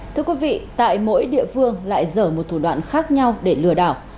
thưa quý vị tại mỗi địa phương lại dở một thủ đoạn khác nhau để lừa đảo